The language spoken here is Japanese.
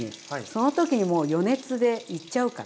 その時にもう余熱でいっちゃうから。